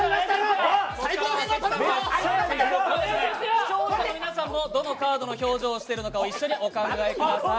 視聴者の皆さんもどのカードの表情をしているか一緒にお考えください。